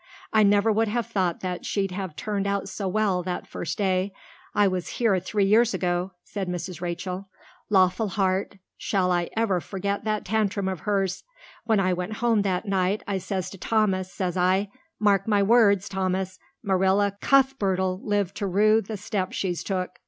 "I never would have thought she'd have turned out so well that first day I was here three years ago," said Mrs. Rachel. "Lawful heart, shall I ever forget that tantrum of hers! When I went home that night I says to Thomas, says I, 'Mark my words, Thomas, Marilla Cuthbert 'll live to rue the step she's took.